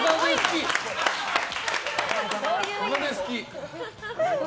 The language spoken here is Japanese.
お金好き？